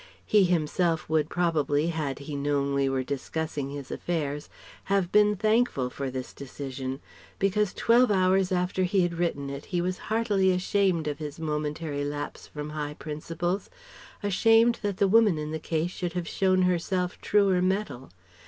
He himself would probably had he known we were discussing his affairs have been thankful for this decision; because twelve hours after he had written it he was heartily ashamed of his momentary lapse from high principles, ashamed that the woman in the case should have shown herself truer metal.